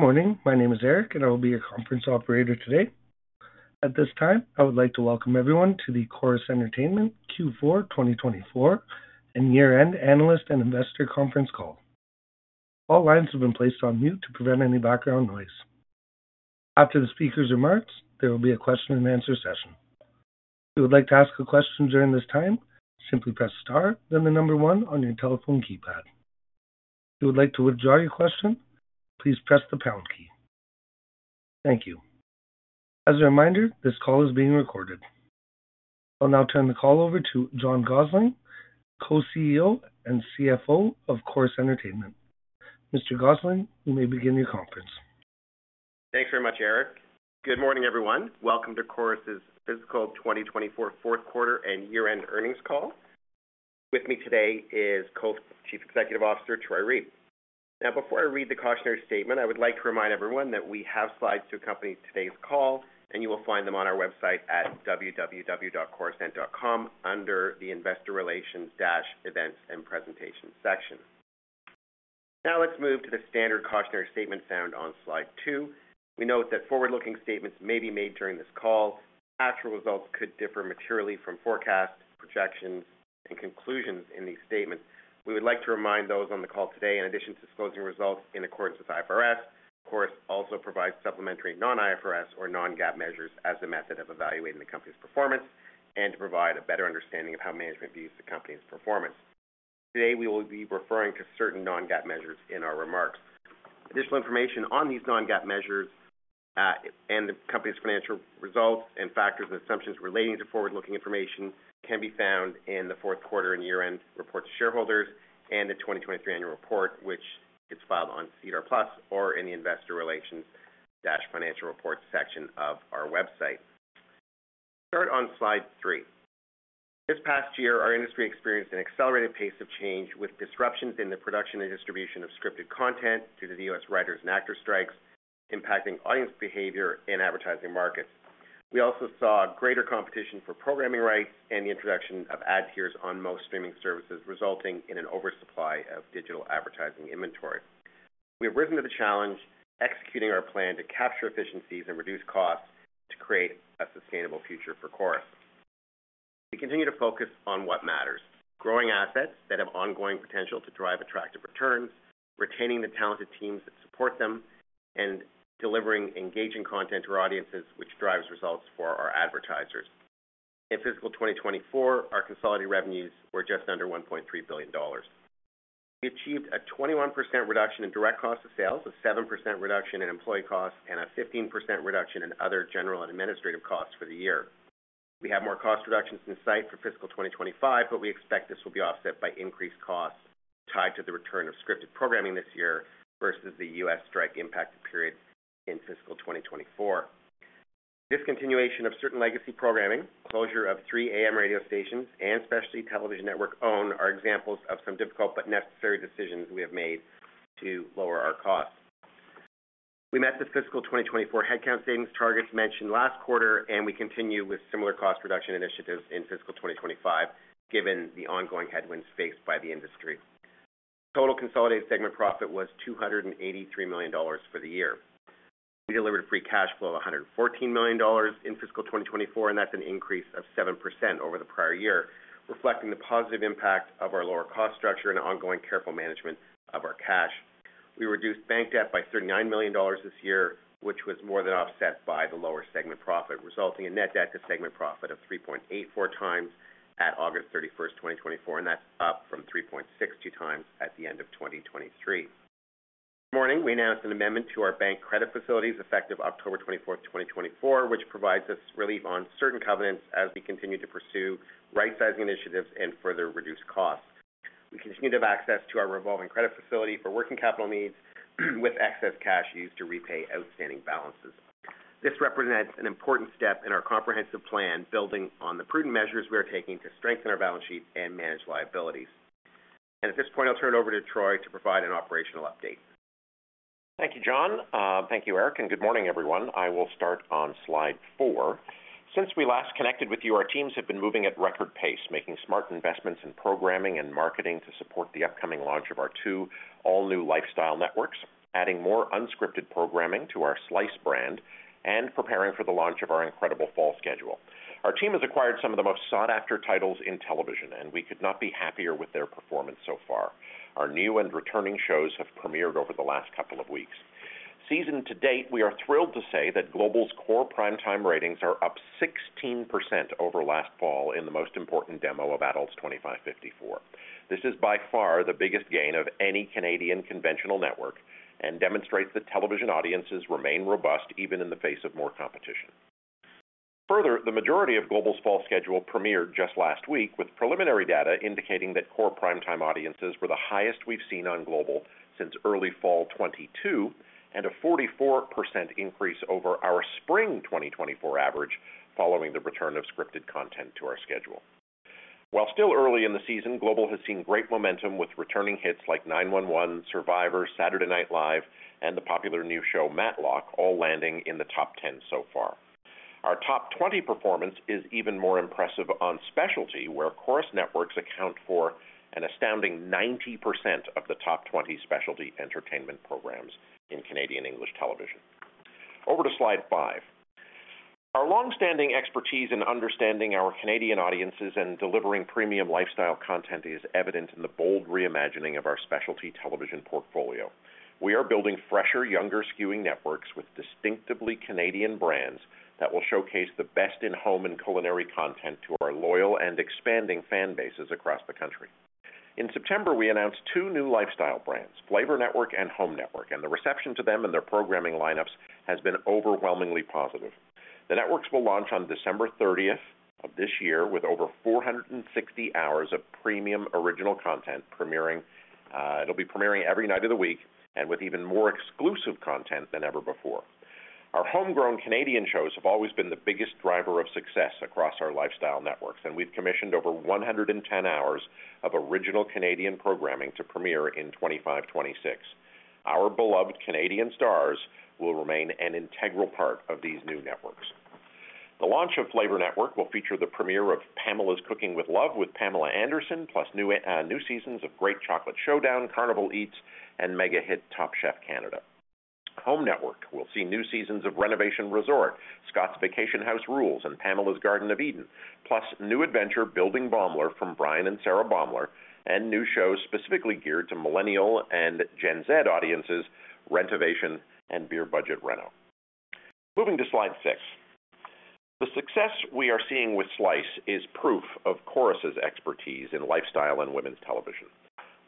Good morning. My name is Eric, and I will be your conference operator today. At this time, I would like to welcome everyone to the Corus Entertainment Q4 2024 and Year-End Analyst and Investor Conference Call. All lines have been placed on mute to prevent any background noise. After the speaker's remarks, there will be a question and answer session. If you would like to ask a question during this time, simply press star, then the number one on your telephone keypad. If you would like to withdraw your question, please press the pound key. Thank you. As a reminder, this call is being recorded. I'll now turn the call over to John Gossling, Co-CEO and CFO of Corus Entertainment. Mr. Gossling, you may begin your conference. Thanks very much, Eric. Good morning, everyone. Welcome to Corus's fiscal 2024 fourth quarter and year-end earnings call. With me today is Co-Chief Executive Officer, Troy Reeb. Now, before I read the cautionary statement, I would like to remind everyone that we have slides to accompany today's call, and you will find them on our website at www.corusent.com under the Investor Relations-Events and Presentation section. Now, let's move to the standard cautionary statement found on slide two. We note that forward-looking statements may be made during this call. Actual results could differ materially from forecasts, projections, and conclusions in these statements. We would like to remind those on the call today, in addition to disclosing results in accordance with IFRS, Corus also provides supplementary non-IFRS or non-GAAP measures as a method of evaluating the company's performance and to provide a better understanding of how management views the company's performance. Today, we will be referring to certain non-GAAP measures in our remarks. Additional information on these non-GAAP measures and the company's financial results and factors and assumptions relating to forward-looking information can be found in the fourth quarter and year-end report to shareholders and the 2023 annual report, which is filed on SEDAR+ or in the Investor Relations-Financial Reports section of our website. Start on slide three. This past year, our industry experienced an accelerated pace of change, with disruptions in the production and distribution of scripted content due to the U.S. writers and actor strikes, impacting audience behavior and advertising markets. We also saw greater competition for programming rights and the introduction of ad tiers on most streaming services, resulting in an oversupply of digital advertising inventory. We have risen to the challenge, executing our plan to capture efficiencies and reduce costs to create a sustainable future for Corus. We continue to focus on what matters: growing assets that have ongoing potential to drive attractive returns, retaining the talented teams that support them, and delivering engaging content to our audiences, which drives results for our advertisers. In fiscal 2024, our consolidated revenues were just under 1.3 billion dollars. We achieved a 21% reduction in direct cost of sales, a 7% reduction in employee costs, and a 15% reduction in other general and administrative costs for the year. We have more cost reductions in sight for fiscal 2025, but we expect this will be offset by increased costs tied to the return of scripted programming this year versus the U.S. strike impacted period in fiscal 2024. Discontinuation of certain legacy programming, closure of three AM radio stations, and specialty television network OWN are examples of some difficult but necessary decisions we have made to lower our costs. We met the fiscal 2024 headcount savings targets mentioned last quarter, and we continue with similar cost reduction initiatives in fiscal 2025, given the ongoing headwinds faced by the industry. Total consolidated segment profit was 283 million dollars for the year. We delivered a free cash flow of 114 million dollars in fiscal 2024, and that's an increase of 7% over the prior year, reflecting the positive impact of our lower cost structure and ongoing careful management of our cash. We reduced bank debt by 39 million dollars this year, which was more than offset by the lower segment profit, resulting in net debt to segment profit of 3.84 times at August 31st, 2024, and that's up from 3.62 times at the end of 2023. This morning, we announced an amendment to our bank credit facilities effective October 24th, 2024, which provides us relief on certain covenants as we continue to pursue right-sizing initiatives and further reduce costs. We continue to have access to our revolving credit facility for working capital needs, with excess cash used to repay outstanding balances. This represents an important step in our comprehensive plan, building on the prudent measures we are taking to strengthen our balance sheet and manage liabilities. At this point, I'll turn it over to Troy to provide an operational update. Thank you, John. Thank you, Eric, and good morning, everyone. I will start on slide four. Since we last connected with you, our teams have been moving at record pace, making smart investments in programming and marketing to support the upcoming launch of our two all-new lifestyle networks, adding more unscripted programming to our Slice brand, and preparing for the launch of our incredible fall schedule. Our team has acquired some of the most sought-after titles in television, and we could not be happier with their performance so far. Our new and returning shows have premiered over the last couple of weeks. Season to date, we are thrilled to say that Global's core primetime ratings are up 16% over last fall in the most important demo of Adults 25-54. This is by far the biggest gain of any Canadian conventional network and demonstrates that television audiences remain robust even in the face of more competition. Further, the majority of Global's fall schedule premiered just last week, with preliminary data indicating that core primetime audiences were the highest we've seen on Global since early fall 2022, and a 44% increase over our spring 2024 average, following the return of scripted content to our schedule. While still early in the season, Global has seen great momentum with returning hits like 9-1-1, Survivor, Saturday Night Live, and the popular new show, Matlock, all landing in the top 10 so far... Our top 20 performance is even more impressive on specialty, where Corus networks account for an astounding 90% of the top 20 specialty entertainment programs in Canadian English television. Over to slide 5. Our long-standing expertise in understanding our Canadian audiences and delivering premium lifestyle content is evident in the bold reimagining of our specialty television portfolio. We are building fresher, younger skewing networks with distinctively Canadian brands that will showcase the best in-home and culinary content to our loyal and expanding fan bases across the country. In September, we announced two new lifestyle brands, Flavour Network and Home Network, and the reception to them and their programming lineups has been overwhelmingly positive. The networks will launch on December 30th of this year with over 460 hours of premium original content premiering, it'll be premiering every night of the week and with even more exclusive content than ever before. Our homegrown Canadian shows have always been the biggest driver of success across our lifestyle networks, and we've commissioned over 110 hours of original Canadian programming to premiere in 2025, 2026. Our beloved Canadian stars will remain an integral part of these new networks. The launch of Flavour Network will feature the premiere of Pamela's Cooking With Love, with Pamela Anderson, plus new seasons of Great Chocolate Showdown, Carnival Eats, and mega hit Top Chef Canada. Home Network will see new seasons of Renovation Resort, Scott's Vacation House Rules, and Pamela's Garden of Eden, plus new adventure, Building Baeumler from Brian and Sarah Baeumler, and new shows specifically geared to Millennial and Gen Z audiences, Rentovation and Beer Budget Reno. Moving to slide six. The success we are seeing with Slice is proof of Corus's expertise in lifestyle and women's television.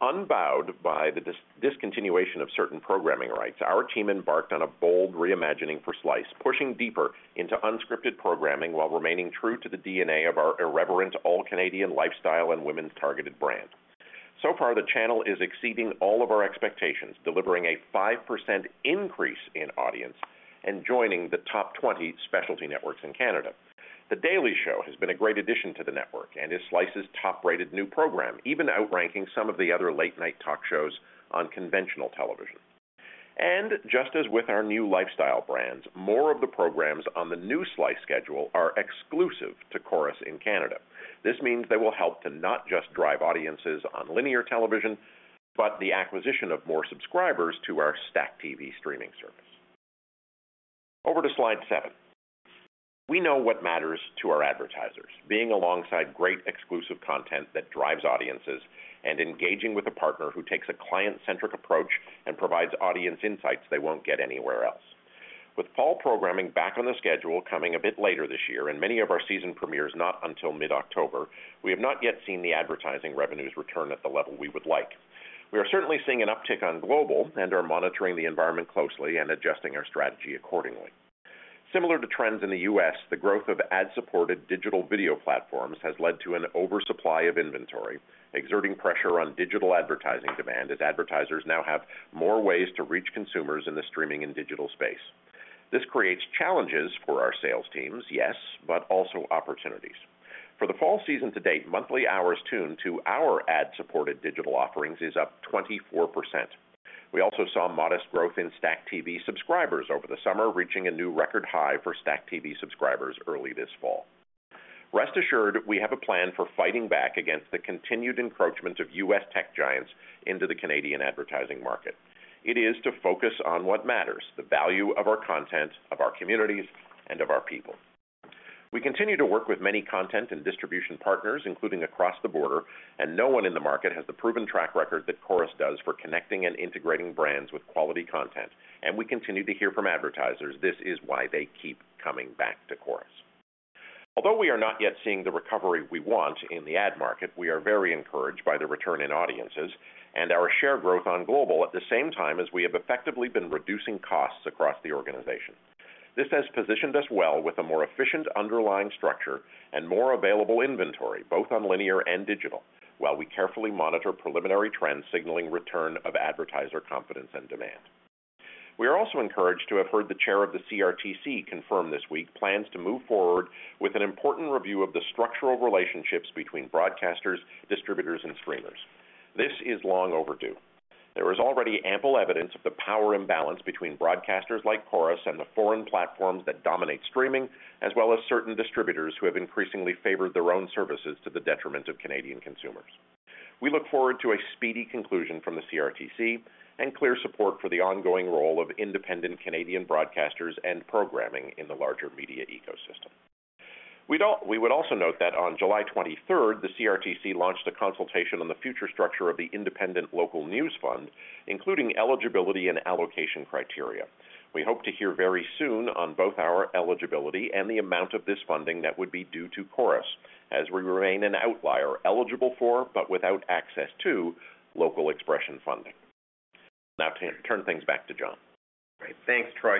Unbowed by the discontinuation of certain programming rights, our team embarked on a bold reimagining for Slice, pushing deeper into unscripted programming while remaining true to the DNA of our irreverent, all Canadian lifestyle and women's targeted brand. So far, the channel is exceeding all of our expectations, delivering a 5% increase in audience and joining the top 20 specialty networks in Canada. The Daily Show has been a great addition to the network and is Slice's top-rated new program, even outranking some of the other late-night talk shows on conventional television. And just as with our new lifestyle brands, more of the programs on the new Slice schedule are exclusive to Corus in Canada. This means they will help to not just drive audiences on linear television, but the acquisition of more subscribers to our StackTV streaming service. Over to slide seven. We know what matters to our advertisers, being alongside great exclusive content that drives audiences and engaging with a partner who takes a client-centric approach and provides audience insights they won't get anywhere else. With fall programming back on the schedule, coming a bit later this year and many of our season premieres not until mid-October, we have not yet seen the advertising revenues return at the level we would like. We are certainly seeing an uptick on Global and are monitoring the environment closely and adjusting our strategy accordingly. Similar to trends in the U.S., the growth of ad-supported digital video platforms has led to an oversupply of inventory, exerting pressure on digital advertising demand, as advertisers now have more ways to reach consumers in the streaming and digital space. This creates challenges for our sales teams, yes, but also opportunities. For the fall season to date, monthly hours tuned to our ad-supported digital offerings is up 24%. We also saw modest growth in StackTV subscribers over the summer, reaching a new record high for StackTV subscribers early this fall. Rest assured, we have a plan for fighting back against the continued encroachment of U.S. tech giants into the Canadian advertising market. It is to focus on what matters, the value of our content, of our communities, and of our people. We continue to work with many content and distribution partners, including across the border, and no one in the market has the proven track record that Corus does for connecting and integrating brands with quality content, and we continue to hear from advertisers. This is why they keep coming back to Corus. Although we are not yet seeing the recovery we want in the ad market, we are very encouraged by the return in audiences and our share growth on Global. At the same time as we have effectively been reducing costs across the organization. This has positioned us well with a more efficient underlying structure and more available inventory, both on linear and digital, while we carefully monitor preliminary trends signaling return of advertiser confidence and demand. We are also encouraged to have heard the chair of the CRTC confirm this week plans to move forward with an important review of the structural relationships between broadcasters, distributors, and streamers. This is long overdue. There is already ample evidence of the power imbalance between broadcasters like Corus and the foreign platforms that dominate streaming, as well as certain distributors who have increasingly favored their own services to the detriment of Canadian consumers. We look forward to a speedy conclusion from the CRTC and clear support for the ongoing role of independent Canadian broadcasters and programming in the larger media ecosystem. We would also note that on July 23rd, the CRTC launched a consultation on the future structure of the Independent Local News Fund, including eligibility and allocation criteria. We hope to hear very soon on both our eligibility and the amount of this funding that would be due to Corus, as we remain an outlier, eligible for, but without access to local expression funding. Now, to turn things back to John. Great. Thanks, Troy.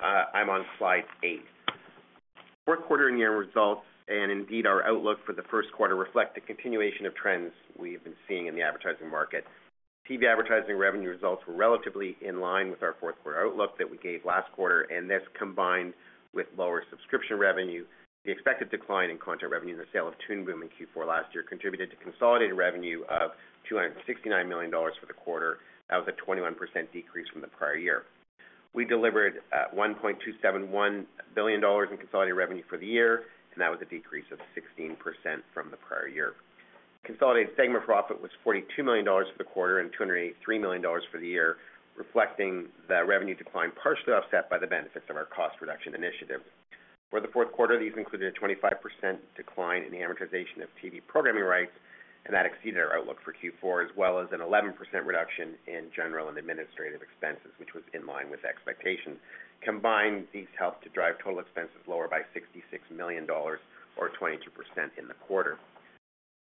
I'm on slide eight. Fourth quarter and year results, and indeed, our outlook for the first quarter reflect the continuation of trends we've been seeing in the advertising market. TV advertising revenue results were relatively in line with our fourth quarter outlook that we gave last quarter, and this combined with lower subscription revenue, the expected decline in content revenue and the sale of Toon Boom in Q4 last year contributed to consolidated revenue of 269 million dollars for the quarter. That was a 21% decrease from the prior year. We delivered 1.271 billion dollars in consolidated revenue for the year, and that was a decrease of 16% from the prior year. Consolidated segment profit was 42 million dollars for the quarter and 283 million dollars for the year, reflecting the revenue decline, partially offset by the benefits of our cost reduction initiative. For the fourth quarter, these included a 25% decline in the amortization of TV programming rights, and that exceeded our outlook for Q4, as well as an 11% reduction in general and administrative expenses, which was in line with expectations. Combined, these helped to drive total expenses lower by 66 million dollars or 22% in the quarter.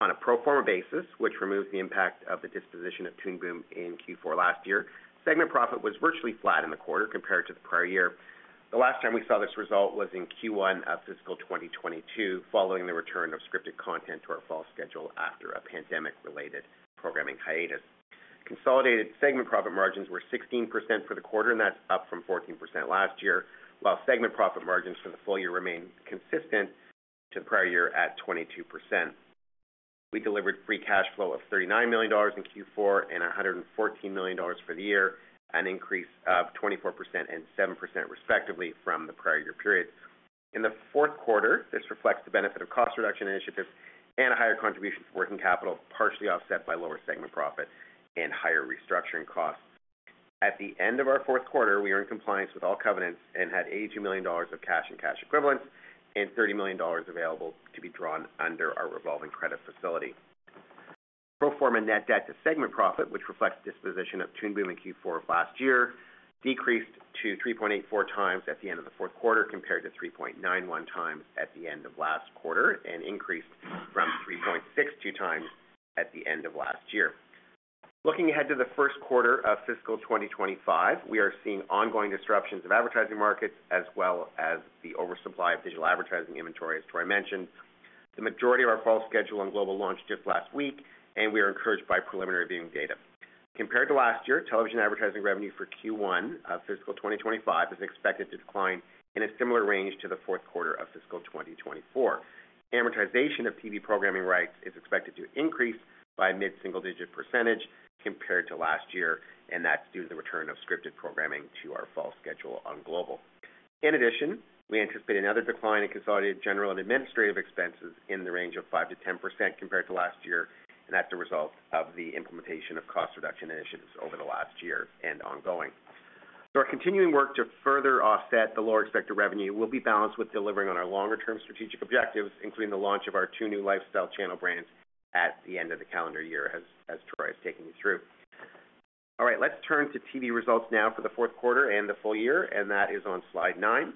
On a pro forma basis, which removes the impact of the disposition of Toon Boom in Q4 last year, segment profit was virtually flat in the quarter compared to the prior year. The last time we saw this result was in Q1 of fiscal 2022, following the return of scripted content to our fall schedule after a pandemic-related programming hiatus. Consolidated segment profit margins were 16% for the quarter, and that's up from 14% last year, while segment profit margins for the full year remained consistent to the prior year at 22%. We delivered free cash flow of 39 million dollars in Q4 and 114 million dollars for the year, an increase of 24% and 7% respectively from the prior year periods. In the fourth quarter, this reflects the benefit of cost reduction initiatives and a higher contribution to working capital, partially offset by lower segment profit and higher restructuring costs. At the end of our fourth quarter, we are in compliance with all covenants and had 82 million dollars of cash and cash equivalents and 30 million dollars available to be drawn under our revolving credit facility. Pro forma net debt to segment profit, which reflects disposition of Toon Boom in Q4 of last year, decreased to 3.84 times at the end of the fourth quarter, compared to 3.91 times at the end of last quarter, and increased from 3.62 times at the end of last year. Looking ahead to the first quarter of fiscal 2025, we are seeing ongoing disruptions of advertising markets as well as the oversupply of digital advertising inventory as Troy mentioned. The majority of our fall schedule on Global launched just last week, and we are encouraged by preliminary viewing data. Compared to last year, television advertising revenue for Q1 of fiscal 2025 is expected to decline in a similar range to the fourth quarter of fiscal 2024. Amortization of TV programming rights is expected to increase by mid-single-digit % compared to last year, and that's due to the return of scripted programming to our fall schedule on Global. In addition, we anticipate another decline in consolidated general and administrative expenses in the range of 5%-10% compared to last year, and that's a result of the implementation of cost reduction initiatives over the last year and ongoing. Our continuing work to further offset the lower expected revenue will be balanced with delivering on our longer-term strategic objectives, including the launch of our two new lifestyle channel brands at the end of the calendar year, as Troy has taken you through. All right, let's turn to TV results now for the fourth quarter and the full year, and that is on slide nine.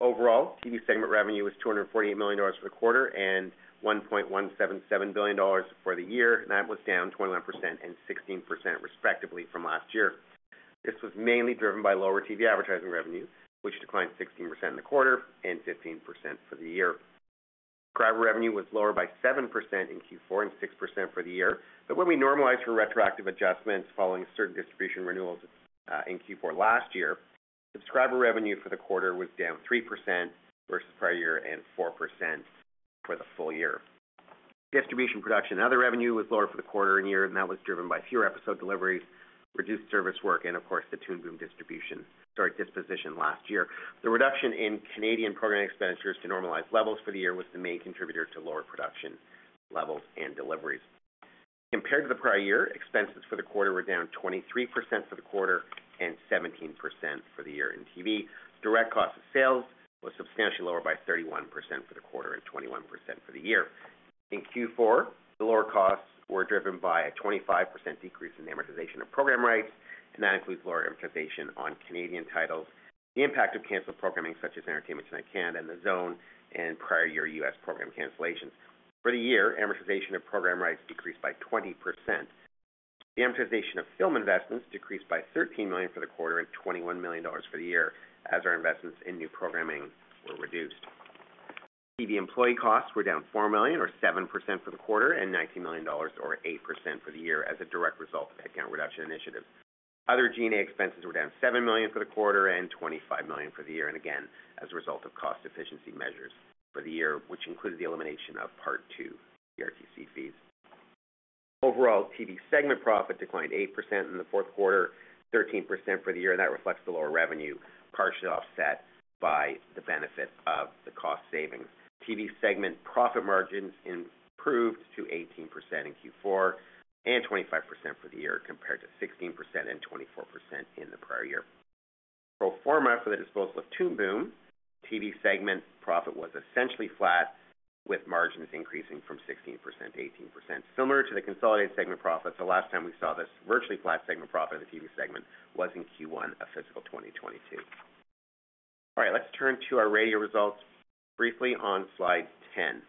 Overall, TV segment revenue was 248 million dollars for the quarter and 1.177 billion dollars for the year, and that was down 21% and 16% respectively from last year. This was mainly driven by lower TV advertising revenue, which declined 16% in the quarter and 15% for the year. Subscriber revenue was lower by 7% in Q4 and 6% for the year. But when we normalize for retroactive adjustments following certain distribution renewals in Q4 last year, subscriber revenue for the quarter was down 3% versus prior year and 4% for the full year. Distribution production and other revenue was lower for the quarter and year, and that was driven by fewer episode deliveries, reduced service work, and of course, the Toon Boom distribution, sorry, disposition last year. The reduction in Canadian programming expenditures to normalize levels for the year was the main contributor to lower production levels and deliveries. Compared to the prior year, expenses for the quarter were down 23% for the quarter and 17% for the year. In TV, direct cost of sales was substantially lower by 31% for the quarter and 21% for the year. In Q4, the lower costs were driven by a 25% decrease in the amortization of program rights, and that includes lower amortization on Canadian titles, the impact of canceled programming, such as Entertainment Tonight Canada and The Zone, and prior year U.S. program cancellations. For the year, amortization of program rights decreased by 20%. The amortization of film investments decreased by 13 million for the quarter and 21 million dollars for the year, as our investments in new programming were reduced. TV employee costs were down 4 million or 7% for the quarter, and 19 million dollars or 8% for the year, as a direct result of headcount reduction initiative. Other G&A expenses were down 7 million for the quarter and 25 million for the year, and again, as a result of cost efficiency measures for the year, which included the elimination of Part II CRTC fees. Overall, TV segment profit declined 8% in the fourth quarter, 13% for the year, and that reflects the lower revenue, partially offset by the benefit of the cost savings. TV segment profit margins improved to 18% in Q4 and 25% for the year, compared to 16% and 24% in the prior year. Pro forma for the disposal of Toon Boom, TV segment profit was essentially flat, with margins increasing from 16% to 18%. Similar to the consolidated segment profit, the last time we saw this virtually flat segment profit of the TV segment was in Q1 of fiscal 2022. All right, let's turn to our radio results briefly on slide 10.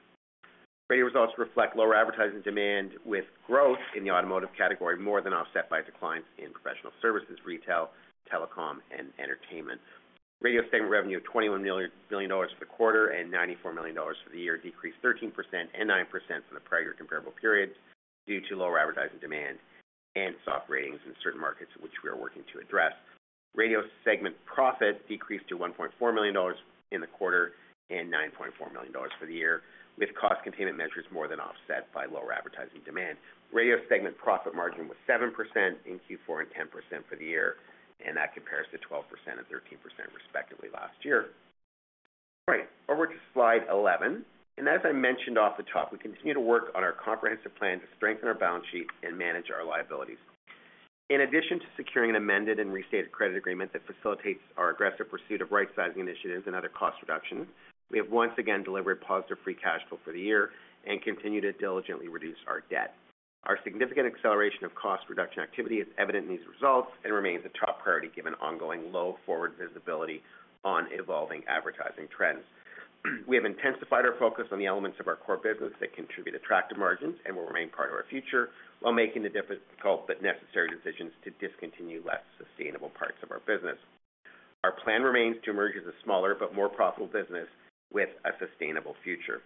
Radio results reflect lower advertising demand, with growth in the automotive category more than offset by declines in professional services, retail, telecom, and entertainment. Radio segment revenue of 21 million dollars for the quarter and 94 million dollars for the year decreased 13% and 9% from the prior comparable period due to lower advertising demand and soft ratings in certain markets, which we are working to address. Radio segment profit decreased to 1.4 million dollars in the quarter and 9.4 million dollars for the year, with cost containment measures more than offset by lower advertising demand. Radio segment profit margin was 7% in Q4 and 10% for the year, and that compares to 12% and 13%, respectively, last year. All right, over to slide eleven, and as I mentioned off the top, we continue to work on our comprehensive plan to strengthen our balance sheet and manage our liabilities. In addition to securing an amended and restated credit agreement that facilitates our aggressive pursuit of rightsizing initiatives and other cost reductions, we have once again delivered positive free cash flow for the year and continue to diligently reduce our debt. Our significant acceleration of cost reduction activity is evident in these results and remains a top priority given ongoing low forward visibility on evolving advertising trends. We have intensified our focus on the elements of our core business that contribute attractive margins and will remain part of our future, while making the difficult but necessary decisions to discontinue less sustainable parts of our business. Our plan remains to emerge as a smaller but more profitable business with a sustainable future.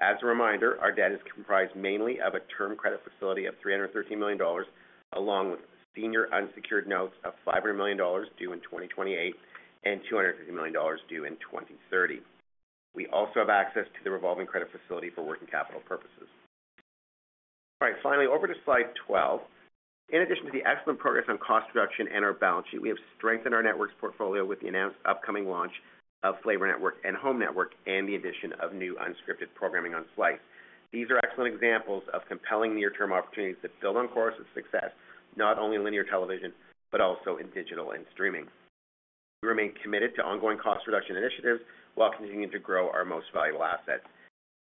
As a reminder, our debt is comprised mainly of a term credit facility of 313 million dollars, along with senior unsecured notes of 5 million dollars due in 2028 and 250 million dollars due in 2030. We also have access to the revolving credit facility for working capital purposes. All right, finally, over to slide 12. In addition to the excellent progress on cost reduction and our balance sheet, we have strengthened our networks portfolio with the announced upcoming launch of Flavour Network and Home Network and the addition of new unscripted programming on Slice. These are excellent examples of compelling near-term opportunities that build on Corus's success, not only in linear television, but also in digital and streaming. We remain committed to ongoing cost reduction initiatives, while continuing to grow our most valuable assets.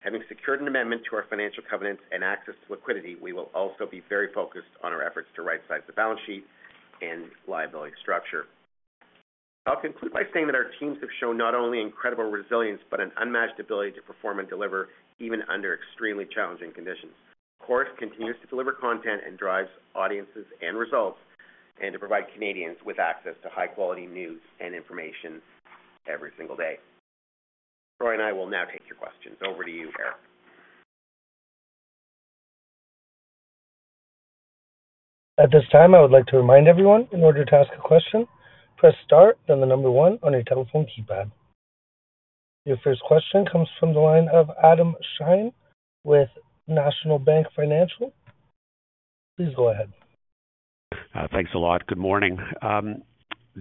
Having secured an amendment to our financial covenants and access to liquidity, we will also be very focused on our efforts to right-size the balance sheet and liability structure. I'll conclude by saying that our teams have shown not only incredible resilience, but an unmatched ability to perform and deliver, even under extremely challenging conditions. Corus continues to deliver content and drives audiences and results, and to provide Canadians with access to high-quality news and information every single day. Troy and I will now take your questions. Over to you, Eric. At this time, I would like to remind everyone, in order to ask a question, press Star, then the number one on your telephone keypad. Your first question comes from the line of Adam Shine with National Bank Financial. Please go ahead. Thanks a lot. Good morning.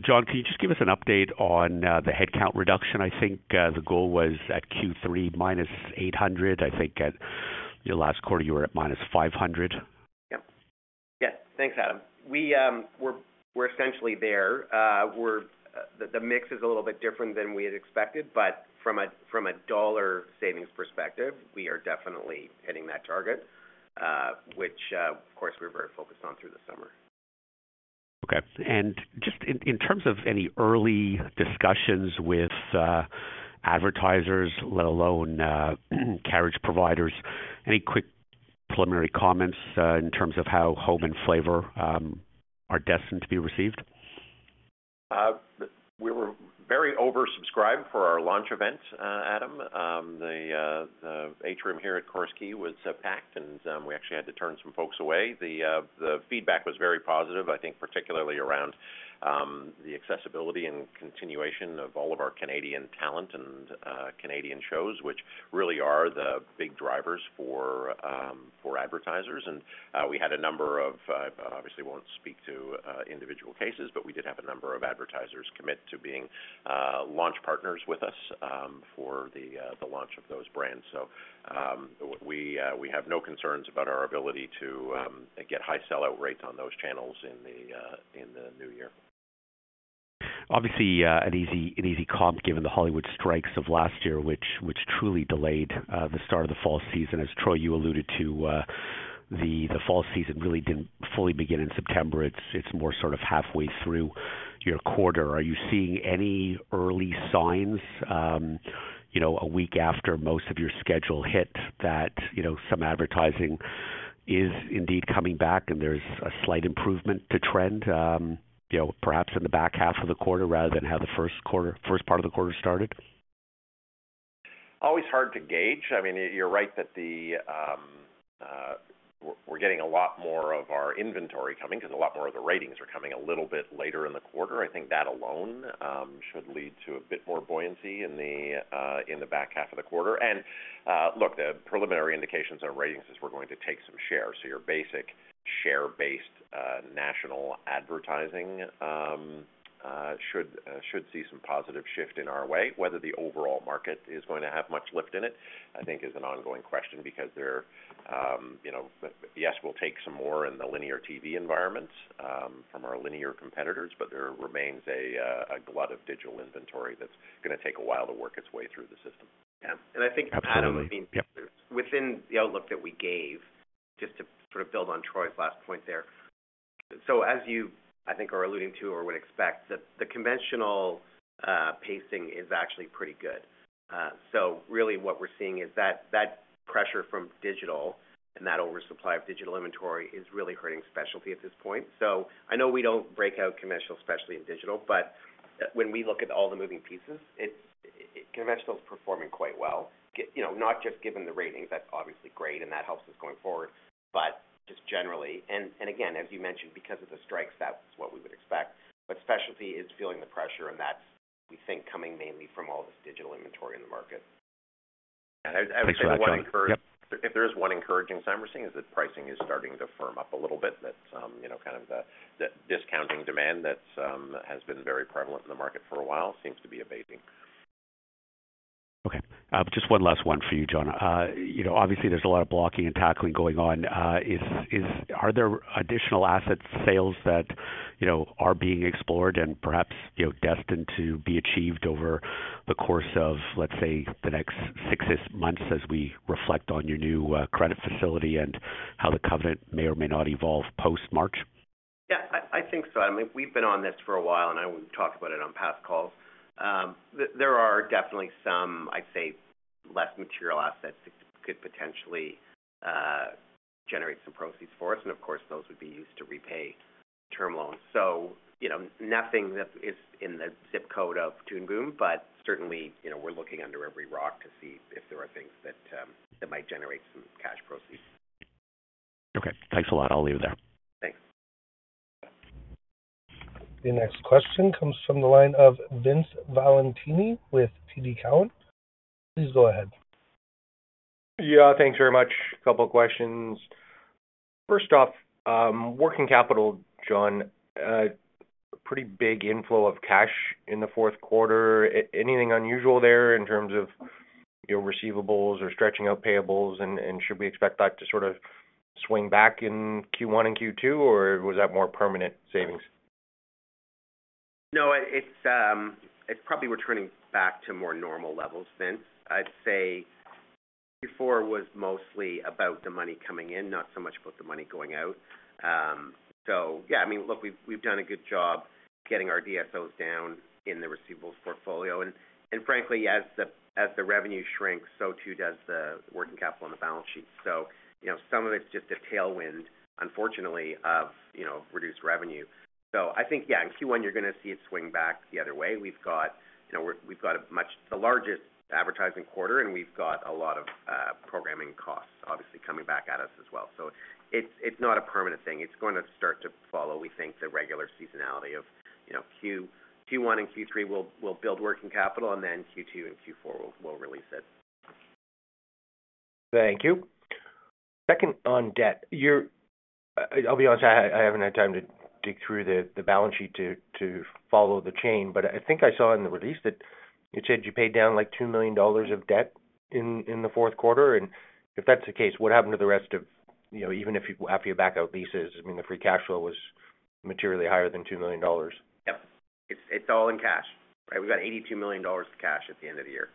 John, can you just give us an update on the headcount reduction? I think the goal was at Q3, minus 800. I think at your last quarter, you were at minus 500. Yep. Yeah, thanks, Adam. We're essentially there. The mix is a little bit different than we had expected, but from a dollar savings perspective, we are definitely hitting that target, which, of course, we're very focused on through the summer. Okay. And just in terms of any early discussions with advertisers, let alone carriage providers, any quick preliminary comments in terms of how Home and Flavour are destined to be received? We were very oversubscribed for our launch event, Adam. The atrium here at Corus Quay was packed, and we actually had to turn some folks away. The feedback was very positive, I think particularly around the accessibility and continuation of all of our Canadian talent and Canadian shows, which really are the big drivers for advertisers. We had a number of, I obviously won't speak to individual cases, but we did have a number of advertisers commit to being launch partners with us, for the launch of those brands. We have no concerns about our ability to get high sell-out rates on those channels in the new year. Obviously, an easy comp, given the Hollywood strikes of last year, which truly delayed the start of the fall season. As Troy, you alluded to, the fall season really didn't fully begin in September. It's more sort of halfway through your quarter. Are you seeing any early signs, you know, a week after most of your schedule hit, that, you know, some advertising is indeed coming back and there's a slight improvement to trend, you know, perhaps in the back half of the quarter, rather than how the first part of the quarter started? Always hard to gauge. I mean, you're right that the... We're getting a lot more of our inventory coming because a lot more of the ratings are coming a little bit later in the quarter. I think that alone should lead to a bit more buoyancy in the back half of the quarter. And look, the preliminary indications are ratings is we're going to take some share. So your basic share-based national advertising should see some positive shift in our way. Whether the overall market is going to have much lift in it, I think is an ongoing question, because there, you know, yes, we'll take some more in the linear TV environment, from our linear competitors, but there remains a, a glut of digital inventory that's going to take a while to work its way through the system. Yeah, and I think- Absolutely. Adam, I mean, within the outlook that we gave, just to sort of build on Troy's last point there, so as you, I think, are alluding to or would expect, the conventional pacing is actually pretty good, so really what we're seeing is that pressure from digital and that oversupply of digital inventory is really hurting specialty at this point, so I know we don't break out commercial, specialty, and digital, but when we look at all the moving pieces, conventional is performing quite well, you know, not just given the ratings, that's obviously great, and that helps us going forward, but just generally, and again, as you mentioned, because of the strikes, that's what we would expect, but specialty is feeling the pressure, and that's, we think, coming mainly from all this digital inventory in the market. Thanks a lot, John. Yep. If there is one encouraging sign we're seeing, is that pricing is starting to firm up a little bit. That, you know, kind of the discounting demand that has been very prevalent in the market for a while, seems to be abating. Okay, just one last one for you, John. You know, obviously there's a lot of blocking and tackling going on. Are there additional asset sales that, you know, are being explored and perhaps, you know, destined to be achieved over the course of, let's say, the next six-ish months as we reflect on your new credit facility and how the covenant may or may not evolve post-March? Yeah, I think so. I mean, we've been on this for a while, and I know we've talked about it on past calls. There are definitely some, I'd say, less material assets that could potentially generate some proceeds for us, and of course, those would be used to repay term loans. So, you know, nothing that is in the zip code of Toon Boom, but certainly, you know, we're looking under every rock to see if there are things that might generate some cash proceeds. Okay, thanks a lot. I'll leave it there. Thanks. The next question comes from the line of Vince Valentini with TD Cowen. Please go ahead. Yeah, thanks very much. A couple of questions. First off, working capital, John, pretty big inflow of cash in the fourth quarter. Anything unusual there in terms of your receivables or stretching out payables? And should we expect that to sort of swing back in Q1 and Q2, or was that more permanent savings? No, it's, it's probably returning back to more normal levels, Vince. I'd say Q4 was mostly about the money coming in, not so much about the money going out. So yeah, I mean, look, we've done a good job getting our DSOs down in the receivables portfolio. And frankly, as the revenue shrinks, so too does the working capital on the balance sheet. So you know, some of it's just a tailwind, unfortunately, of reduced revenue. So I think, yeah, in Q1, you're going to see it swing back the other way. We've got, you know, we've got a much the largest advertising quarter, and we've got a lot of programming costs obviously coming back at us as well. So it's not a permanent thing. It's going to start to follow, we think, the regular seasonality of, you know, Q1 and Q3, we'll build working capital, and then Q2 and Q4, we'll release it. Thank you. Second, on debt, you're... I'll be honest, I haven't had time to dig through the balance sheet to follow the chain, but I think I saw in the release that it said you paid down, like, 2 million dollars of debt in the fourth quarter, and if that's the case, what happened to the rest of, you know, evenif you-- after you back out leases, I mean, the free cash flow was materially higher than 2 million dollars. Yep. It's all in cash. We've got 82 million dollars of cash at the end of the year.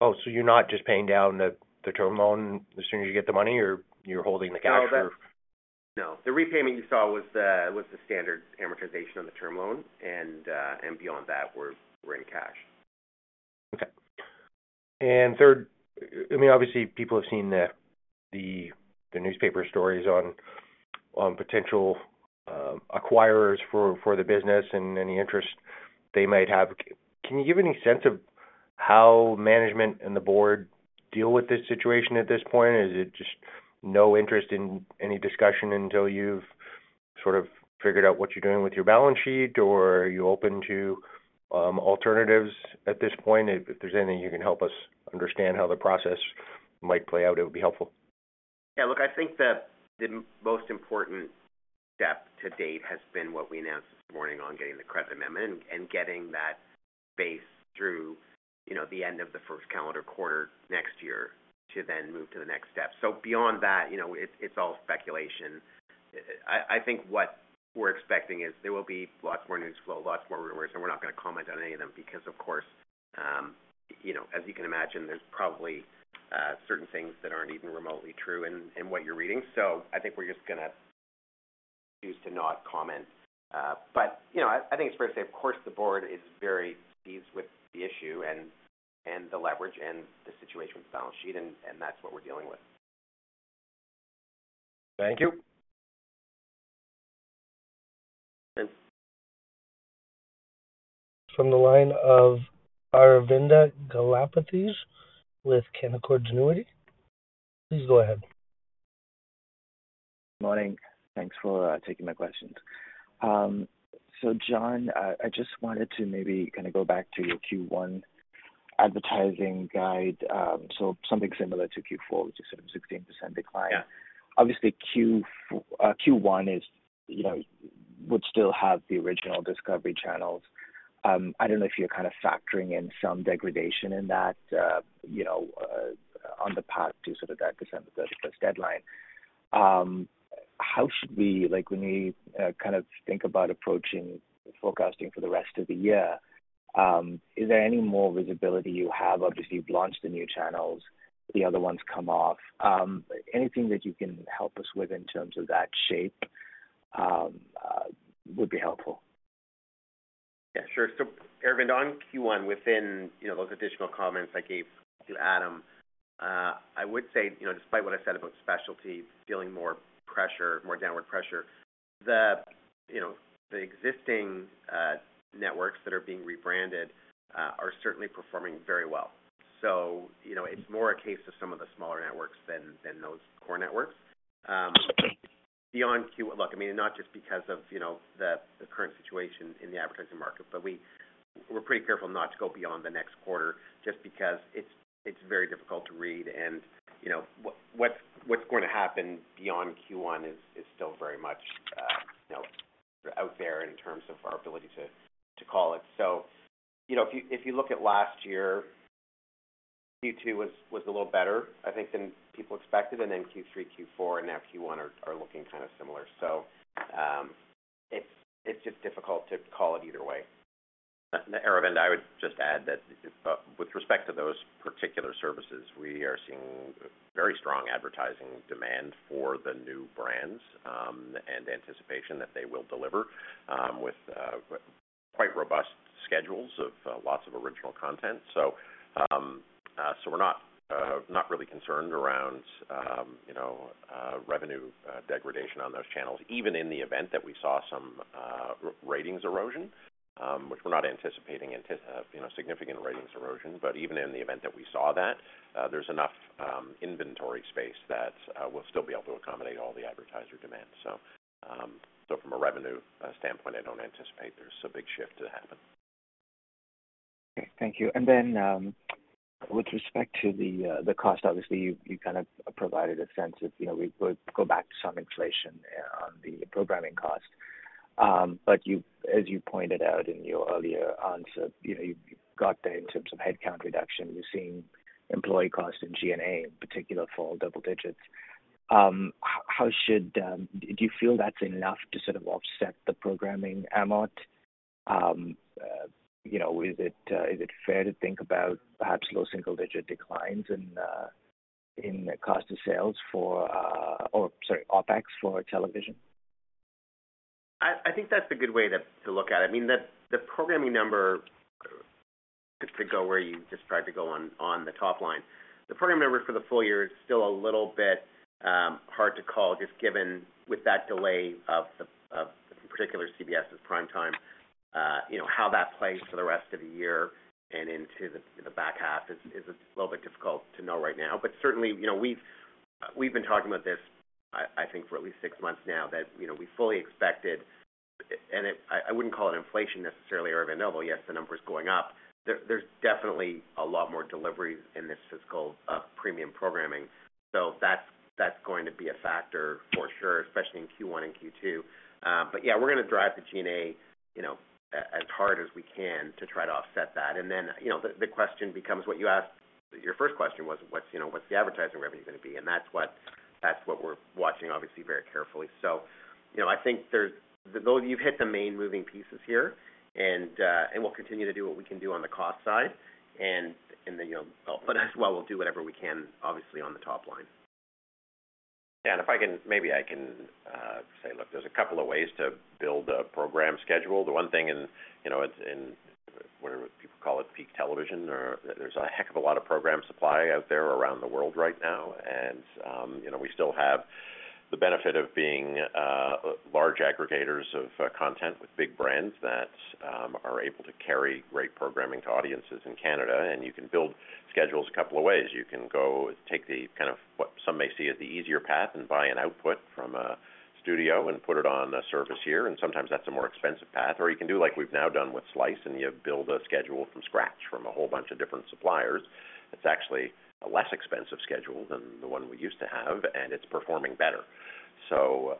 Oh, so you're not just paying down the term loan as soon as you get the money or you're holding the cash? No. The repayment you saw was the standard amortization of the term loan, and beyond that, we're in cash. Okay. And third, I mean, obviously, people have seen the newspaper stories on potential acquirers for the business and any interest they might have. Can you give any sense of how management and the board deal with this situation at this point? Is it just no interest in any discussion until you've sort of figured out what you're doing with your balance sheet, or are you open to alternatives at this point? If there's anything you can help us understand how the process might play out, it would be helpful. Yeah, look, I think the most important step to date has been what we announced this morning on getting the credit amendment and getting that base through, you know, the end of the first calendar quarter next year to then move to the next step. So beyond that, you know, it's all speculation. I think what we're expecting is there will be lots more news flow, lots more rumors, and we're not going to comment on any of them because, of course, you know, as you can imagine, there's probably certain things that aren't even remotely true in what you're reading. So I think we're just gonna choose to not comment. But, you know, I think it's fair to say, of course, the board is very pleased with the issue and the leverage and the situation with the balance sheet, and that's what we're dealing with. Thank you. Sure. From the line of Aravinda Galappatthige with Canaccord Genuity. Please go ahead. Morning. Thanks for taking my questions. So, John, I just wanted to maybe kind of go back to your Q1 advertising guidance. So something similar to Q4, which is sort of 16% decline. Yeah. Obviously, Q4, Q1 is, you know, would still have the original Discovery channels. I don't know if you're kind of factoring in some degradation in that, you know, on the path to sort of that December thirty-first deadline. How should we, like, when we kind of think about approaching forecasting for the rest of the year, is there any more visibility you have? Obviously, you've launched the new channels, the other ones come off. Anything that you can help us with in terms of that shape, would be helpful. Yeah, sure. So Aravinda, on Q1, within you know those additional comments I gave to Adam. I would say, you know, despite what I said about specialty feeling more pressure, more downward pressure, the you know the existing networks that are being rebranded are certainly performing very well. So, you know, it's more a case of some of the smaller networks than those core networks. Beyond. Look, I mean, not just because of you know the current situation in the advertising market, but we're pretty careful not to go beyond the next quarter just because it's very difficult to read. And, you know, what's going to happen beyond Q1 is still very much you know out there in terms of our ability to call it. So, you know, if you look at last year, Q2 was a little better, I think, than people expected, and then Q3, Q4, and now Q1 are looking kind of similar. So, it's just difficult to call it either way. Aravinda, I would just add that with respect to those particular services, we are seeing very strong advertising demand for the new brands and anticipation that they will deliver with quite robust schedules of lots of original content. So we're not not really concerned around you know revenue degradation on those channels, even in the event that we saw some ratings erosion, which we're not anticipating, you know, significant ratings erosion. But even in the event that we saw that, there's enough inventory space that we'll still be able to accommodate all the advertiser demand. So from a revenue standpoint, I don't anticipate there's a big shift to happen. Okay, thank you. Then, with respect to the cost, obviously, you kind of provided a sense of, you know, we would go back to some inflation on the programming cost, but as you pointed out in your earlier answer, you know, you got there in terms of headcount reduction. You're seeing employee costs and G&A, in particular, fall double digits. How should... Do you feel that's enough to sort of offset the programming amount? You know, is it fair to think about perhaps low single-digit declines in the cost of sales for, or sorry, OpEx for television? I think that's a good way to look at it. I mean, the programming number could go where you just tried to go on the top line. The programming number for the full year is still a little bit hard to call, just given with that delay of the particular CBS's prime time. You know, how that plays for the rest of the year and into the back half is a little bit difficult to know right now. But certainly, you know, we've been talking about this, I think, for at least six months now, that you know, we fully expected, and it... I wouldn't call it inflation necessarily, Aravinda, although, yes, the number is going up. There's definitely a lot more deliveries in this fiscal premium programming. So that's, that's going to be a factor for sure, especially in Q1 and Q2. But yeah, we're going to drive the G&A, you know, as hard as we can to try to offset that. And then, you know, the question becomes what you asked. Your first question was: What's, you know, what's the advertising revenue going to be? And that's what, that's what we're watching, obviously, very carefully. So, you know, I think you've hit the main moving pieces here, and we'll continue to do what we can do on the cost side, and then, you know, but as well, we'll do whatever we can, obviously, on the top line. Yeah, and if I can, maybe I can say, look, there's a couple of ways to build a program schedule. The one thing, you know, whether people call it peak television or... There's a heck of a lot of program supply out there around the world right now. And, you know, we still have the benefit of being large aggregators of content with big brands that are able to carry great programming to audiences in Canada. And you can build schedules a couple of ways. You can go take the, kind of, what some may see as the easier path and buy an output from a studio and put it on a service here, and sometimes that's a more expensive path. Or you can do like we've now done with Slice, and you build a schedule from scratch from a whole bunch of different suppliers. It's actually a less expensive schedule than the one we used to have, and it's performing better. So,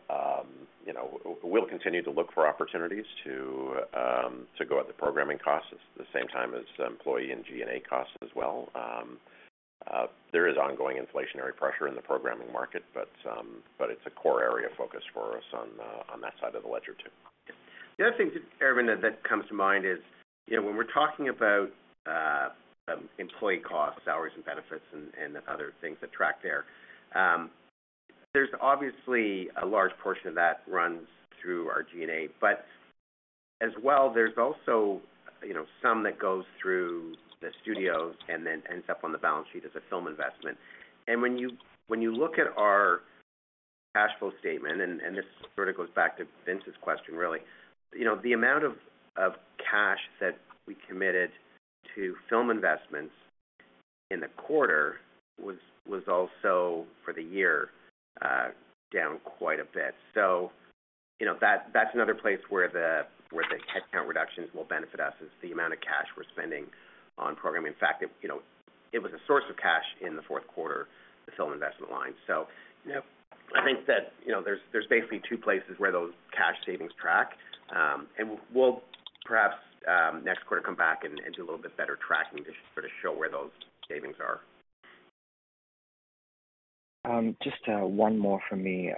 you know, we'll continue to look for opportunities to, to go at the programming costs at the same time as employee and G&A costs as well. There is ongoing inflationary pressure in the programming market, but, but it's a core area of focus for us on, on that side of the ledger, too. The other thing, too, Aravinda, that comes to mind is, you know, when we're talking about employee costs, salaries and benefits and other things that track there, there's obviously a large portion of that runs through our G&A. But as well, there's also, you know, some that goes through the studios and then ends up on the balance sheet as a film investment. And when you look at our cash flow statement, and this sort of goes back to Vince's question, really, you know, the amount of cash that we committed to film investments in the quarter was also for the year down quite a bit. So, you know, that's another place where the headcount reductions will benefit us, is the amount of cash we're spending on programming. In fact, it, you know, it was a source of cash in the fourth quarter, the film investment line. So, you know, I think that, you know, there's basically two places where those cash savings track. And we'll, perhaps, next quarter, come back and do a little bit better tracking to sort of show where those savings are. Just one more from me.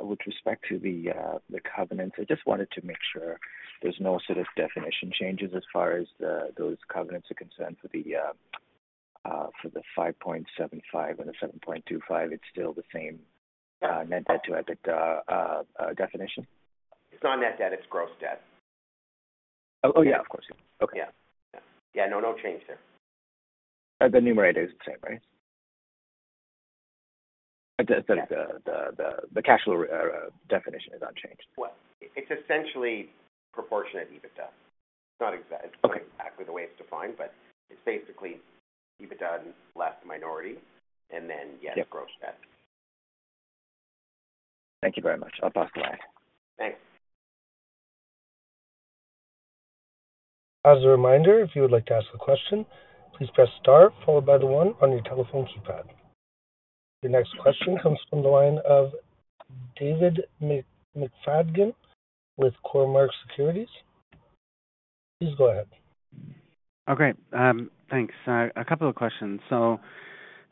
With respect to the covenants, I just wanted to make sure there's no sort of definition changes as far as those covenants are concerned for the 5.75 and the 7.25. It's still the same net debt to EBITDA definition? It's not net debt, it's gross debt. ... Oh, yeah, of course. Okay. Yeah. Yeah, no, no change there. But the numerator is the same, right? The cash flow definition is unchanged. It's essentially proportionate EBITDA. It's not exact- Okay. Exactly the way it's defined, but it's basically EBITDA less minority, and then, yes- Yep. Gross debt. Thank you very much. I'll pass the line. Thanks. As a reminder, if you would like to ask a question, please press Star followed by the one on your telephone keypad. Your next question comes from the line of David McFadden with Cormark Securities. Please go ahead. Okay, thanks. A couple of questions. So,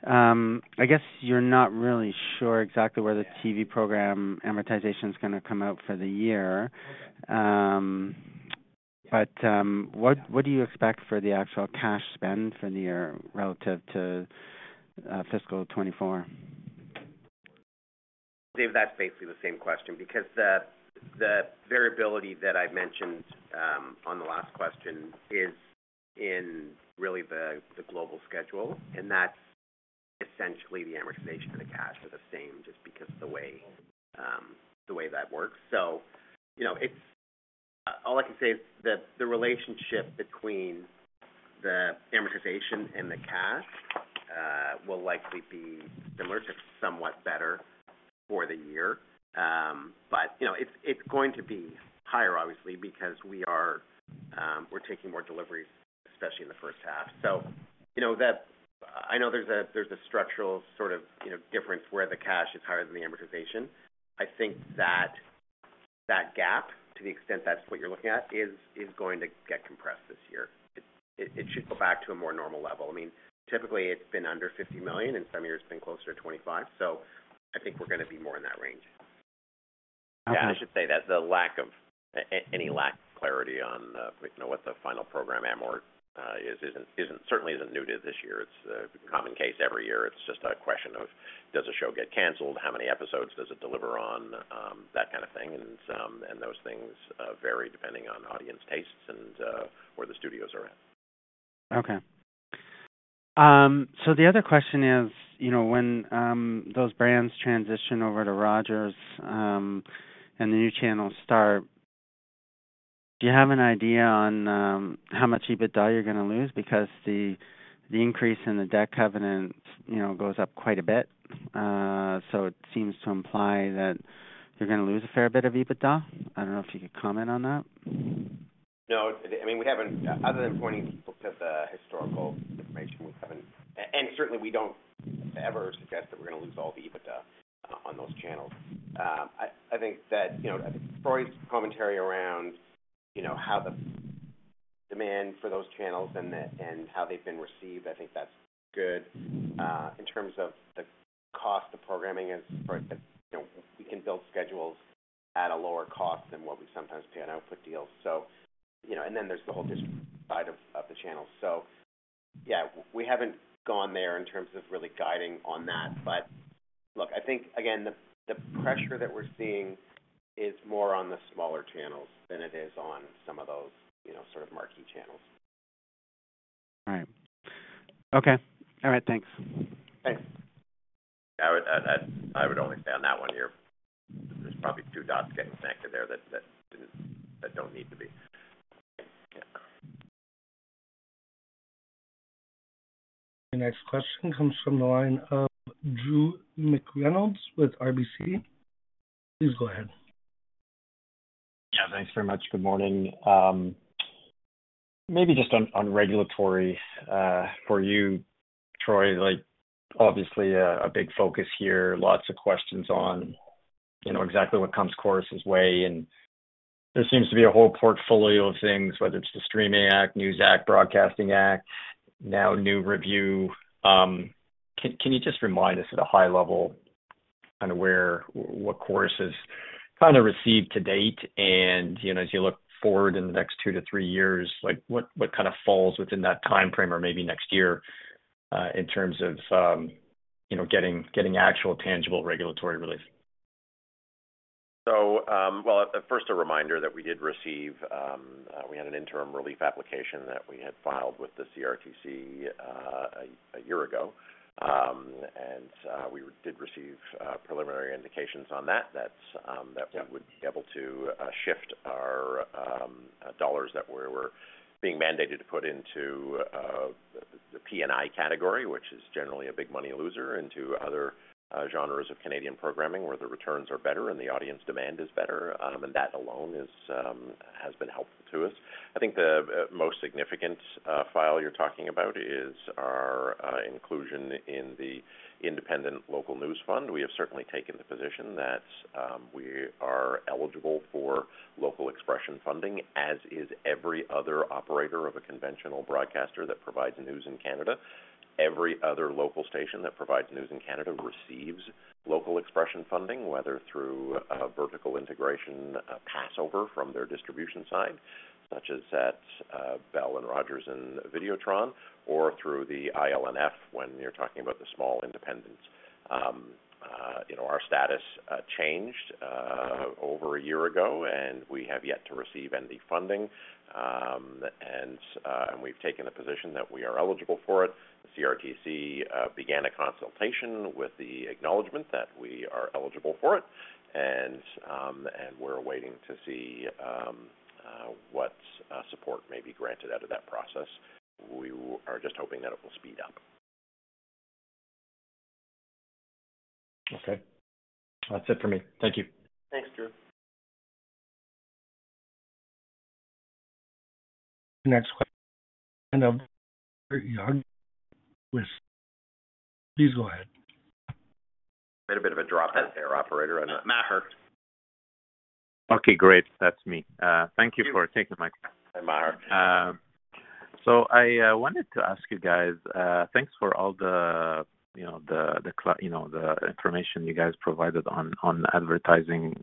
I guess you're not really sure exactly where the TV program amortization is gonna come out for the year. But, what do you expect for the actual cash spend for the year relative to fiscal 2024? Dave, that's basically the same question, because the variability that I mentioned on the last question is in really the global schedule, and that's essentially the amortization and the cash are the same, just because of the way the way that works. So, you know, it's. All I can say is that the relationship between the amortization and the cash will likely be similar to somewhat better for the year. But, you know, it's going to be higher, obviously, because we are we're taking more deliveries, especially in the first half. So, you know that. I know there's a structural sort of, you know, difference where the cash is higher than the amortization. I think that gap, to the extent that's what you're looking at, is going to get compressed this year. It should go back to a more normal level. I mean, typically it's been under 50 million, in some years been closer to 25, so I think we're going to be more in that range. Okay. I should say that the lack of any lack of clarity on, you know, what the final program amortization is isn't new to this year. It's a common case every year. It's just a question of, does a show get canceled? How many episodes does it deliver on? That kind of thing. And those things vary depending on audience tastes and where the studios are at. Okay. So the other question is, you know, when those brands transition over to Rogers, and the new channels start, do you have an idea on how much EBITDA you're going to lose? Because the increase in the debt covenant, you know, goes up quite a bit. So it seems to imply that you're going to lose a fair bit of EBITDA. I don't know if you could comment on that. No, I mean, we haven't, other than pointing people to the historical information, we haven't. And certainly we don't ever suggest that we're going to lose all the EBITDA on those channels. I think that, you know, Troy's commentary around, you know, how the demand for those channels and the and how they've been received, I think that's good. In terms of the cost of programming, as you know, we can build schedules at a lower cost than what we sometimes pay on output deals. So, you know, and then there's the whole distribution side of the channel. So yeah, we haven't gone there in terms of really guiding on that. But look, I think again, the pressure that we're seeing is more on the smaller channels than it is on some of those, you know, sort of marquee channels. All right. Okay. All right, thanks. Thanks. I would only say on that one, there's probably two dots getting connected there that don't need to be. Yeah. The next question comes from the line of Drew McReynolds with RBC. Please go ahead. Yeah, thanks very much. Good morning. Maybe just on regulatory, for you, Troy, like, obviously a big focus here, lots of questions on, you know, exactly what comes Corus' way, and there seems to be a whole portfolio of things, whether it's the Streaming Act, News Act, Broadcasting Act, now new review. Can you just remind us at a high level, kind of where, what Corus has kind of received to date? And, you know, as you look forward in the next two to three years, like, what kind of falls within that timeframe or maybe next year, in terms of, you know, getting actual tangible regulatory relief? So, well, first, a reminder that we did receive. We had an interim relief application that we had filed with the CRTC a year ago. And we did receive preliminary indications on that we would be able to shift our dollars that we were being mandated to put into the PNI category, which is generally a big money loser, into other genres of Canadian programming, where the returns are better and the audience demand is better. And that alone has been helpful to us. I think the most significant file you're talking about is our inclusion in the Independent Local News Fund. We have certainly taken the position that we are eligible for local expression funding, as is every other operator of a conventional broadcaster that provides news in Canada. Every other local station that provides news in Canada receives local expression funding, whether through a vertical integration, a crossover from their distribution side, such as Bell and Rogers and Videotron, or through the ILNF, when you're talking about the small independents. You know, our status changed over a year ago, and we have yet to receive any funding, and we've taken the position that we are eligible for it. The CRTC began a consultation with the acknowledgment that we are eligible for it, and we're waiting to see what support may be granted out of that process. We are just hoping that it will speed up. Okay. That's it for me. Thank you. Thanks, Drew. Next question, and Maher Yaghi, please go ahead. A little bit of a drop out there, operator. I know, Maher. Okay, great. That's me. Thank you for taking my call. Hi, Maher. So I wanted to ask you guys, thanks for all the, you know, the information you guys provided on advertising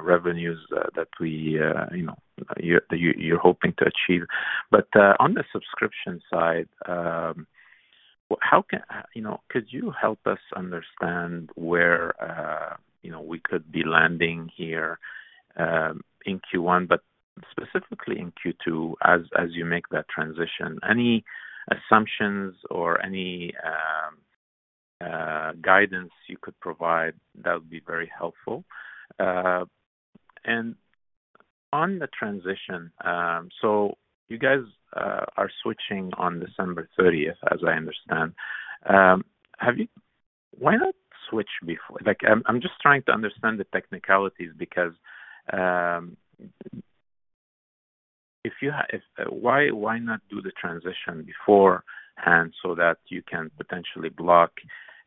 revenues that we, you know, you, you're hoping to achieve. But on the subscription side, how can... You know, could you help us understand where, you know, we could be landing here in Q1, but specifically in Q2, as you make that transition? Any assumptions or any guidance you could provide, that would be very helpful. And on the transition, so you guys are switching on December thirtieth, as I understand. Have you-- why not switch before? Like, I'm just trying to understand the technicalities, because why not do the transition before, and so that you can potentially block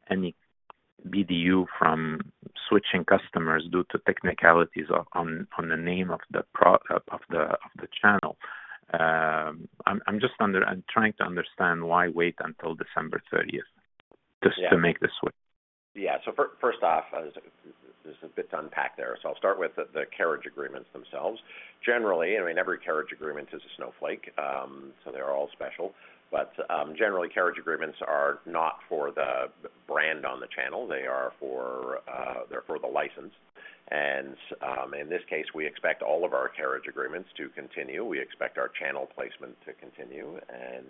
any BDU from switching customers due to technicalities on the name of the channel? I'm just trying to understand why wait until December thirtieth- Yeah... just to make the switch. Yeah, so first off, there's a bit to unpack there, so I'll start with the carriage agreements themselves. Generally, I mean, every carriage agreement is a snowflake, so they're all special, but generally, carriage agreements are not for the brand on the channel, they are for, they're for the license, and in this case, we expect all of our carriage agreements to continue. We expect our channel placement to continue, and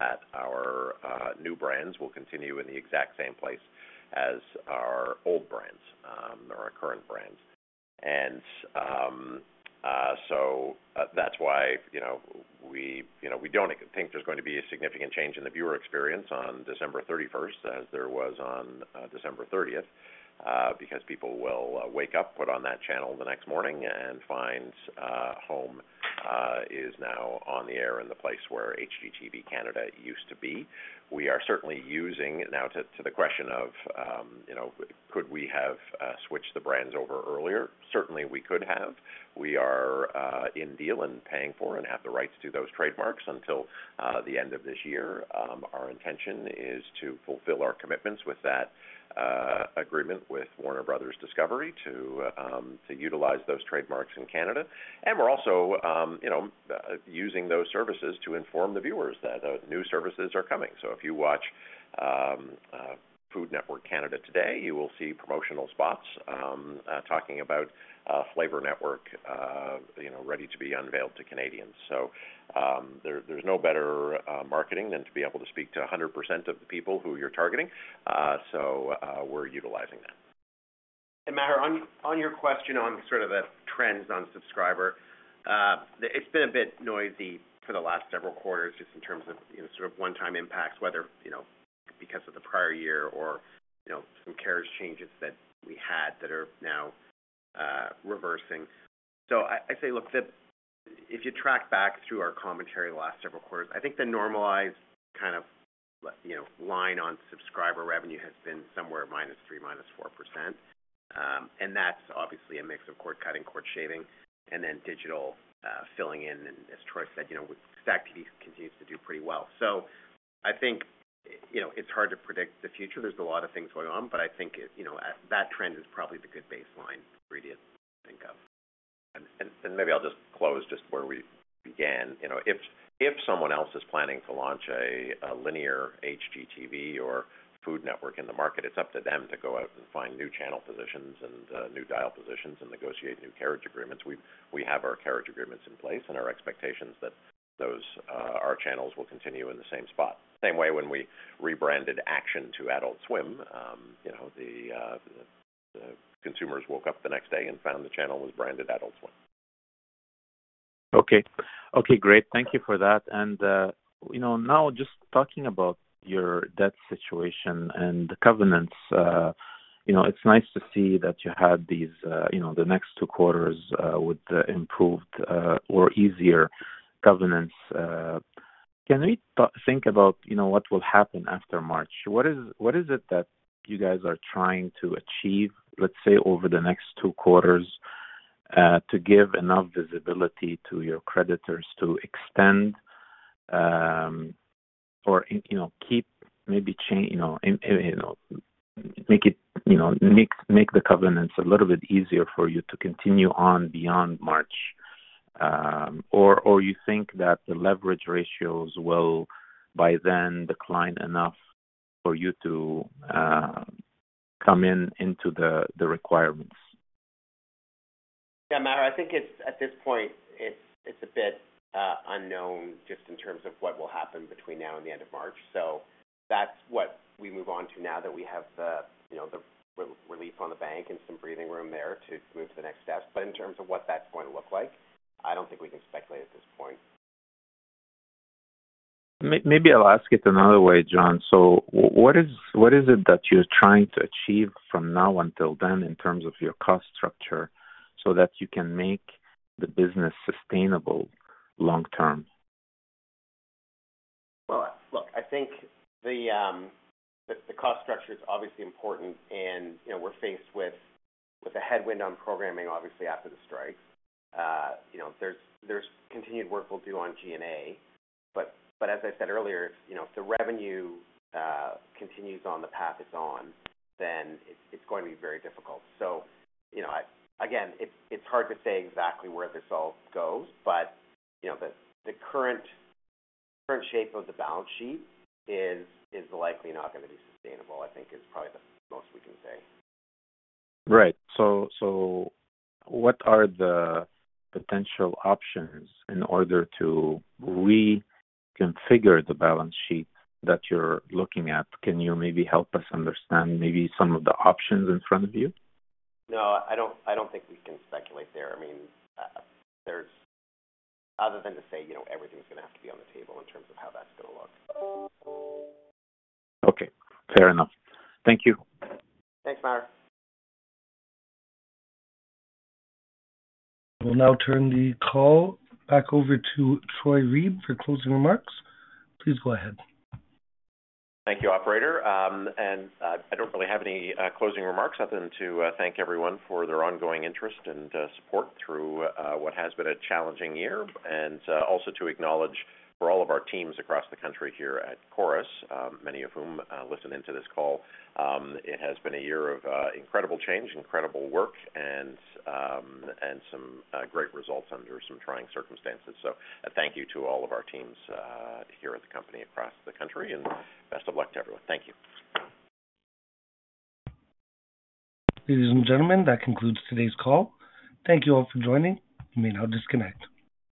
that our new brands will continue in the exact same place as our old brands, or our current brands. So that's why, you know, we, you know, we don't think there's going to be a significant change in the viewer experience on December thirty-first, as there was on December thirtieth, because people will wake up, put on that channel the next morning and find Home is now on the air in the place where HGTV Canada used to be. We are certainly using... Now, to the question of, you know, could we have switched the brands over earlier? Certainly, we could have. We are in a deal and paying for and have the rights to those trademarks until the end of this year. Our intention is to fulfill our commitments with that agreement with Warner Bros. Discovery to utilize those trademarks in Canada. And we're also, you know, using those services to inform the viewers that new services are coming. So if you watch Food Network Canada today, you will see promotional spots talking about Flavour Network, you know, ready to be unveiled to Canadians. So there's no better marketing than to be able to speak to 100% of the people who you're targeting, so we're utilizing that. And Maher, on your question on sort of the trends on subscriber, it's been a bit noisy for the last several quarters, just in terms of, you know, sort of one-time impacts, whether, you know, because of the prior year or, you know, some carriage changes that we had that are now reversing. So I say, look, if you track back through our commentary the last several quarters, I think the normalized kind of line, you know, on subscriber revenue has been somewhere minus 3%-4%. And that's obviously a mix of cord cutting, cord shaving, and then digital filling in. And as Troy said, you know, STACKTV continues to do pretty well. So I think, you know, it's hard to predict the future. There's a lot of things going on, but I think, you know, that trend is probably the good baseline to really think of. Maybe I'll just close just where we began. You know, if someone else is planning to launch a linear HGTV or Food Network in the market, it's up to them to go out and find new channel positions and new dial positions and negotiate new carriage agreements. We have our carriage agreements in place and our expectations that those our channels will continue in the same spot. Same way when we rebranded Action to Adult Swim, you know, the consumers woke up the next day and found the channel was branded Adult Swim. Okay. Okay, great. Thank you for that. And, you know, now just talking about your debt situation and the covenants, you know, it's nice to see that you have these, you know, the next two quarters, with the improved, or easier covenants. Can we think about, you know, what will happen after March? What is, what is it that you guys are trying to achieve, let's say, over the next two quarters, to give enough visibility to your creditors to extend, or, you know, keep maybe, you know, and, you know, make the covenants a little bit easier for you to continue on beyond March, or, you think that the leverage ratios will by then decline enough for you to, come into the requirements? Yeah, Maher, I think it's, at this point, it's a bit unknown just in terms of what will happen between now and the end of March. So that's what we move on to now that we have the, you know, the relief on the bank and some breathing room there to move to the next steps. But in terms of what that's going to look like, I don't think we can speculate at this point. Maybe I'll ask it another way, John. So what is, what is it that you're trying to achieve from now until then in terms of your cost structure so that you can make the business sustainable long term? Look, I think the cost structure is obviously important and, you know, we're faced with a headwind on programming, obviously, after the strike. You know, there's continued work we'll do on G&A. But as I said earlier, you know, if the revenue continues on the path it's on, then it's going to be very difficult. So, you know, I again, it's hard to say exactly where this all goes, but, you know, the current shape of the balance sheet is likely not gonna be sustainable, I think is probably the most we can say. Right. What are the potential options in order to reconfigure the balance sheet that you're looking at? Can you maybe help us understand maybe some of the options in front of you? No, I don't think we can speculate there. I mean, other than to say, you know, everything's gonna have to be on the table in terms of how that's gonna look. Okay, fair enough. Thank you. Thanks, Maher. We'll now turn the call back over to Troy Reeb for closing remarks. Please go ahead. Thank you, operator. I don't really have any closing remarks other than to thank everyone for their ongoing interest and support through what has been a challenging year, and also to acknowledge for all of our teams across the country here at Corus, many of whom listened into this call. It has been a year of incredible change, incredible work, and some great results under some trying circumstances. A thank you to all of our teams here at the company across the country, and best of luck to everyone. Thank you. Ladies and gentlemen, that concludes today's call. Thank you all for joining. You may now disconnect.